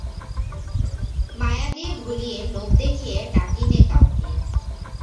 মায়া দিয়ে ভুলিয়ে লোভ দেখিয়ে ডাকি নে কাউকে।